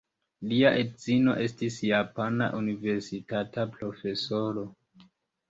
Lia edzino estis japana universitata profesoro.